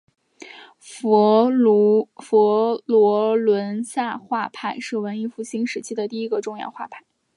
佛罗伦萨画派是文艺复兴时期第一个重要的画派。